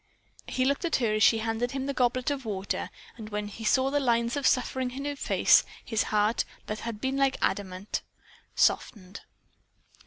He looked at her as she handed him the goblet of water and when he saw the lines of suffering in her face, his heart, that had been like adamant, softened.